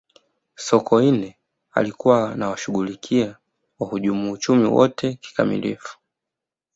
sokoine alikuwa anawashughulikia wahujumu uchumi wote kikamilifu